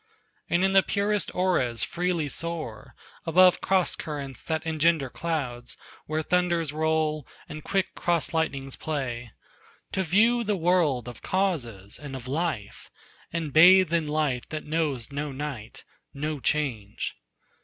And in the purest auras freely soar, Above cross currents that engender clouds Where thunders roll, and quick cross lightnings play, To view the world of causes and of life, And bathe in light that knows no night, no change.